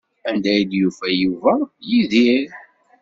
Anda ay d-yufa Yuba Yidir?